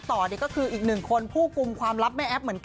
ต่อนี่ก็คืออีกหนึ่งคนผู้กลุ่มความลับแม่แอ๊บเหมือนกัน